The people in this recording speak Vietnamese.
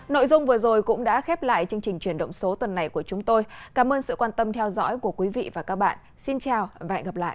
nội dung vừa rồi cũng đã khép lại chương trình chuyển động số tuần này của chúng tôi cảm ơn sự quan tâm theo dõi của quý vị và các bạn xin chào và hẹn gặp lại